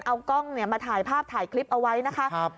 เอากล้องมาถ่ายภาพถ่ายคลิปเอาไว้นะคะ